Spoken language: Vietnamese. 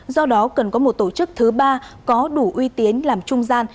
do đó cần có một tổ chức thứ ba có đủ uy tiến làm trung gian